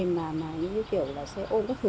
mà như kiểu là xe ôn các thứ